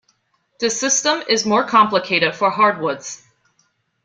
The system is more complicated for hardwoods.